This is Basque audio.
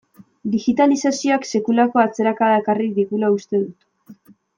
Digitalizazioak sekulako atzerakada ekarri digula uste dut.